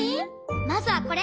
まずはこれ！